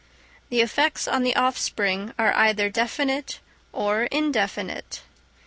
The effects on the offspring are either definite or in definite.